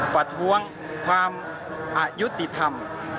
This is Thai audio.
วัดท้วงความอายุติธรรม